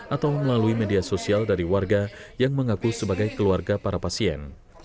atau melalui media sosial dari warga yang mengaku sebagai keluarga para pasien